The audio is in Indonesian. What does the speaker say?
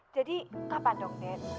jadi kapan dong dad